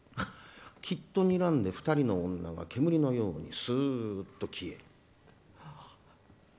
きっとにらんで２人の女が煙のようにスーッと消える。